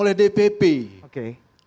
oleh dpp oke